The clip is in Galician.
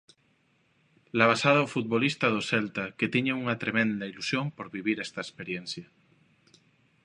Labazada ao futbolista do Celta que tiña unha tremenda ilusión por vivir esta experiencia.